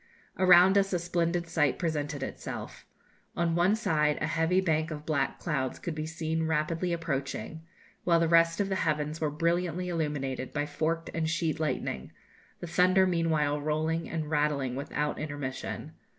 Around us a splendid sight presented itself. On one side a heavy bank of black clouds could be seen rapidly approaching, while the rest of the heavens were brilliantly illuminated by forked and sheet lightning, the thunder meanwhile rolling and rattling without intermission.